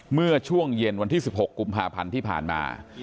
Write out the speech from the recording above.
เมื่อช่วงเย็นวันที่๑๖กุมภาพันธ์ที่ผ่านมา